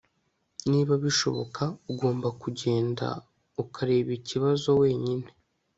niba bishoboka, ugomba kugenda ukareba ikibazo wenyine